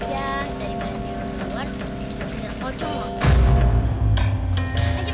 ya dari manila keluar kejar kejar pocong